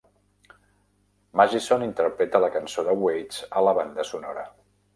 Mugison interpreta la cançó de Waits a la banda sonora.